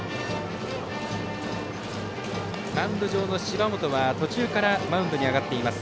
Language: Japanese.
マウンド上の芝本は途中からマウンドに上がっています。